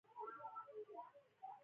تر ناپوه ملګري هوښیار دوښمن ښه دئ!